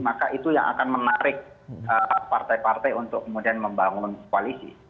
maka itu yang akan menarik partai partai untuk kemudian membangun koalisi